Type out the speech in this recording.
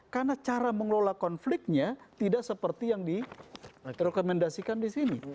karena cara mengelola konfliknya tidak seperti yang di rekomendasikan di sini